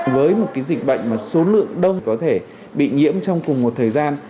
với một dịch bệnh mà số lượng đông có thể bị nhiễm trong cùng một thời gian